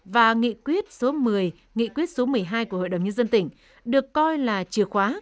và nghị quyết số một mươi nghị quyết số một mươi hai của hội đồng nhân dân tỉnh được coi là chìa khóa